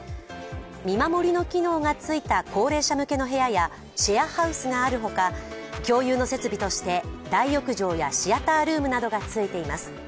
見守りの機能がついた高齢者向けの部屋はシェアハウスがあるほか共有の設備として大浴場やシアタールームなどがついています。